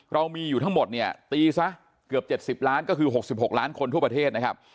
เรามีอยู่ทั้งหมดเนี่ยตีซะเกือบ๗๐ล้านก็คือ๖๖ล้านคนทั่วประเทศนะครับ